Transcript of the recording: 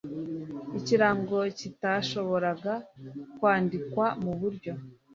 ikirango kitashoboraga kwandikwa mu buryo